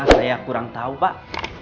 saya kurang tau pak